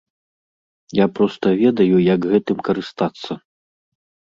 Я проста ведаю, як гэтым карыстацца.